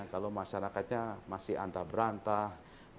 kalau masyarakatnya masih antah berantah